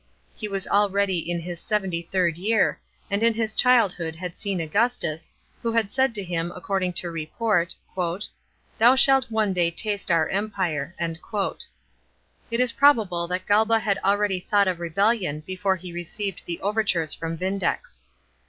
He was already in his seventy 68 A.D. REVOLT OF VINDEX. 295 third year, and in his childhood had seen Augustus, who had said to him, according to report, " Thon shalt one day taste our empire.' It is probable that Galba had already thought of rebellion before he received the overtures from Vindex.